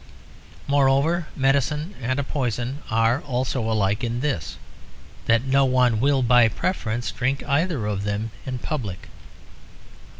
Moreover, medicine and a poison are also alike in this; that no one will by preference drink either of them in public.